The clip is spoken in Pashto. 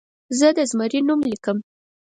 زه د زمري نوم لیکم.